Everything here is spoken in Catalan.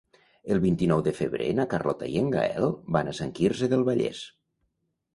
El vint-i-nou de febrer na Carlota i en Gaël van a Sant Quirze del Vallès.